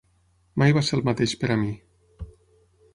Mai va ser el mateix per a mi.